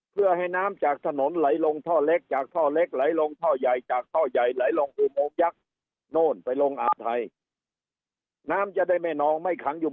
เพื่อให้น้ำจากถนนไหลลงท่อเล็กจากท่อเล็กไหลลงท่อใหญ่